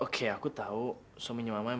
saya sudah sengaja mengajak juegos